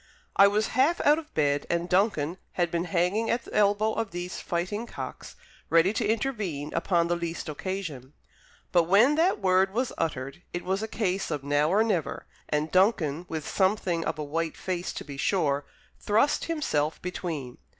I was half out of bed, and Duncan had been hanging at the elbow of these fighting cocks, ready to intervene upon the least occasion. But when that word was uttered, it was a case of now or never; and Duncan, with something of a white face to be sure, thrust himself between.